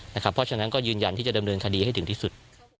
เพราะฉะนั้นก็ยืนยันที่จะดำเนินคดีให้ถึงที่สุด